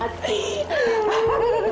dan terus makin lepas